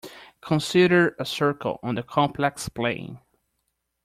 Consider a circle on the complex plane.